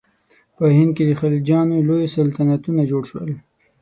په هند کې د خلجیانو لوی سلطنتونه جوړ شول.